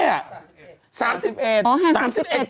๓๐เอ็น